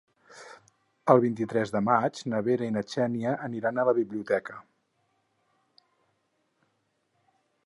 El vint-i-tres de maig na Vera i na Xènia aniran a la biblioteca.